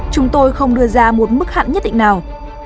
chúng tôi không đưa ra một mức hạn nhất định nào